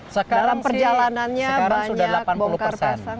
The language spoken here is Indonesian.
sekarang perjalanannya banyak bongkar pasang